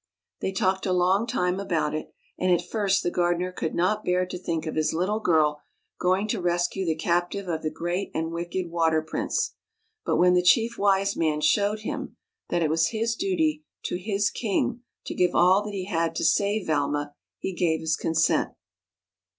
They talked a long time about it, and at first the gardener could not bear to think of his little girl going to rescue the captive of the great and wicked Water Prince; but when the Chief Wise Man showed him that it was his duty to his king to give all that he had to save Valma, he gave his consent.